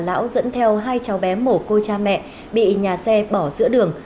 cả lão dẫn theo hai cháu bé mổ cô cha mẹ bị nhà xe bỏ giữa đường